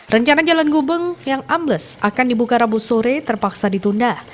rencana jalan gubeng yang ambles akan dibuka rabu sore terpaksa ditunda